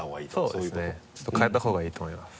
そうですねちょっと変えたほうがいいと思います。